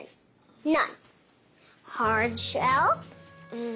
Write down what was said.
うん。